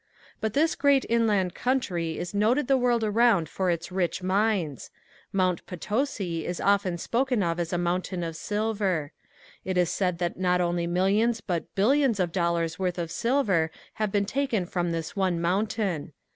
But this great inland country is noted the world around for its rich mines. Mount Potosi is often spoken of as a mountain of silver. It is said that not only millions but billions of dollars worth of silver have been taken from this one mountain.